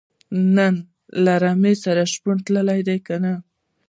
نن له رمې سره شپون تللی دی که نۀ